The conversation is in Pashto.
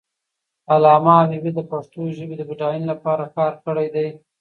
علامه حبیبي د پښتو ژبې د بډاینې لپاره کار کړی دی.